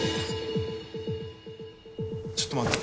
ちょっと待って。